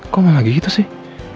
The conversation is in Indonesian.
kok nggak lagi gitu sih